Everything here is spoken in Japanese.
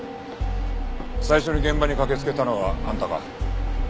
最初に現場に駆けつけたのはあんたか？